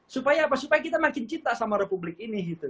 supaya apa supaya kita makin cinta sama republik ini gitu